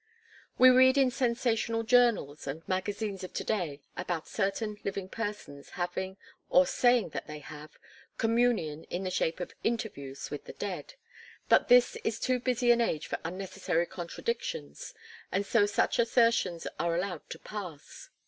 We read in sensational journals and magazines of to day about certain living persons having or saying that they have communion in the shape of "interviews" with the dead; but this is too busy an age for unnecessary contradictions and so such assertions are allowed to pass.